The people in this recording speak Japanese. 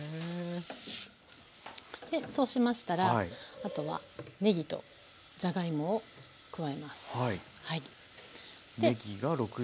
そうしましたらあとはねぎとじゃがいもを加えます。